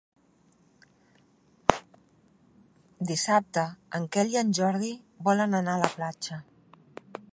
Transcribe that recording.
Dissabte en Quel i en Jordi volen anar a la platja.